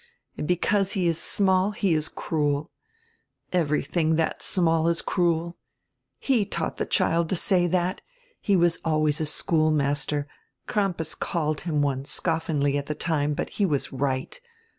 And because he is small he is cruel. Everything that is small is cruel. He taught die child to say that. He always was a school master, Crampas called him one, scoffingly at the time, but he was right.